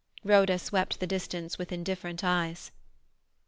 Rhoda swept the distance with indifferent eyes.